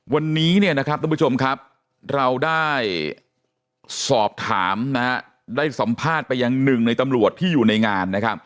วันนี้เราได้สอบถามได้สัมภาษณ์ไปอย่างหนึ่งในตำรวจที่อยู่ในงาน